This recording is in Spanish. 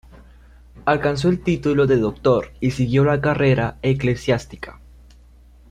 Alcanzó el título de doctor y siguió la carrera eclesiástica.